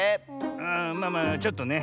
ああまあまあちょっとね。